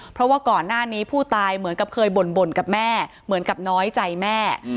เพราะว่าก่อนหน้านี้ผู้ตายเหมือนกับเคยบ่นกับแม่เหมือนกับน้อยใจแม่